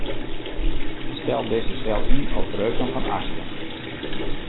Stel dizze sel yn op breuken fan achtsten.